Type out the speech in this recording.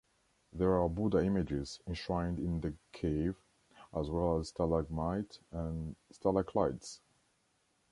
There are Buddha images enshrined in the cave, as well as stalagmites and stalactites.